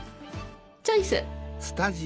チョイス！